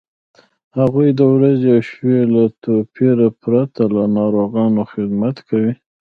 هغوی د ورځې او شپې له توپیره پرته د ناروغانو خدمت کوي.